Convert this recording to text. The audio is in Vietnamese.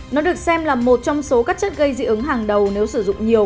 nó được xem là một trong số các chất gây dị ứng hàng đầu nếu sử dụng nhiều